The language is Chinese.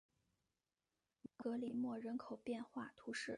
格里莫人口变化图示